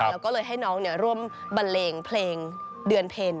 แล้วก็เลยให้น้องร่วมบันเลงเพลงเดือนเพ็ญ